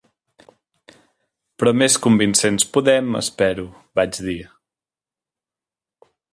"Però més convincents podem, espero", vaig dir.